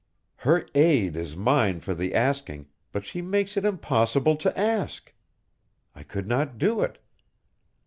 "Her aid is mine for the asking but she makes it impossible to ask! I could not do it.